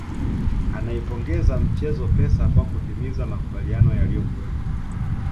Anaipongeza mchezo Pesa kwa kutimiza makubaliano yaliyokuwepo